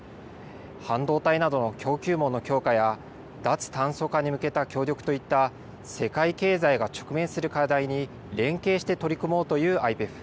半導体などの供給網の強化や、脱炭素化に向けた協力といった世界経済が直面する課題に連携して取り組もうというＩＰＥＦ。